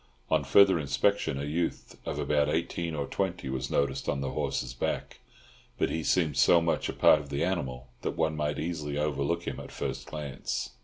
On further inspection, a youth of about eighteen or twenty was noticed on the horse's back, but he seemed so much a part of the animal that one might easily overlook him at a first glance.